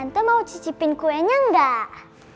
tante mau cicipin kuenya enggak